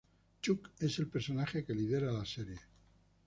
Chuck es el personaje que lidera la serie.